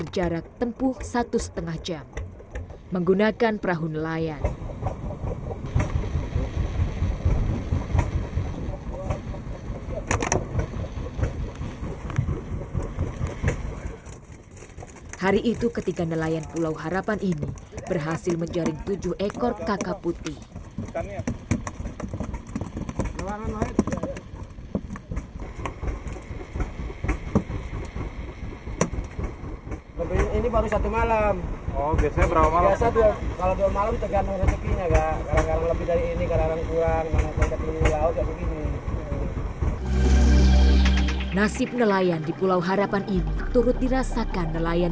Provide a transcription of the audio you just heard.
jadi sekarang nelayan yang sudah tidak ada